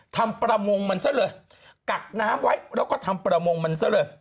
ทำประมงมันซะเลยกักน้ำไว้แล้วก็ทำประมงมันซะเลย